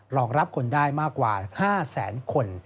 รองรับคนได้มากกว่า๕แสนคน